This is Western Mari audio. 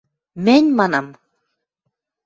– Мӹнь, – манам.